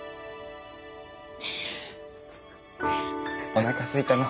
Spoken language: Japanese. おなかすいたの。